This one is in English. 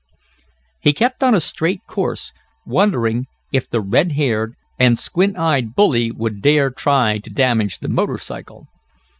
He kept on a straight course, wondering if the red haired, and squint eyed bully would dare try to damage the motor cycle.